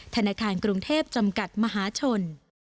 ธนาคารกรุงเทพจำกัดมหาชน